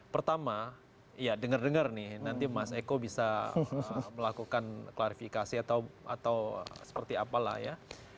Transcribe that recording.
pertama ya denger dengar nih nanti mas eko bisa melakukan klarifikasi atau seperti apalah ya